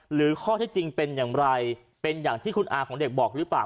หรือข้อที่จริงเป็นอย่างไรเป็นอย่างที่คุณอาของเด็กบอกหรือเปล่า